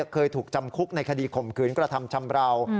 เคยถูกจำคุกในคดีข่มขืนกระทำชำราว